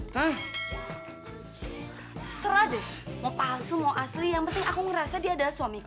serah deh mau palsu mau asli yang penting aku ngerasa dia adalah suamiku